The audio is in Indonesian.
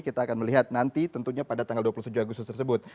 kita akan melihat nanti tentunya pada tanggal dua puluh tujuh agustus tersebut